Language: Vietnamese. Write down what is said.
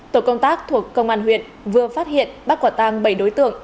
tổ công tác thuộc công an huyện vừa phát hiện bắt quả tang bảy đối tượng